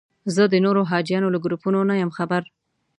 زه د نورو حاجیانو له ګروپونو نه یم خبر.